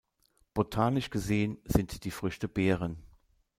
Botanisch gesehen sind die Früchte Beeren.